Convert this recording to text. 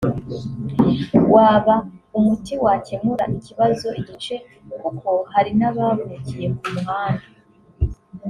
waba umuti wakemura ikibazo igice kuko hari n’abavukiye ku muhanda